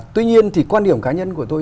tuy nhiên thì quan điểm cá nhân của tôi